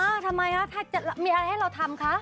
อ้าวทำไมมีอะไรให้เราทำคะ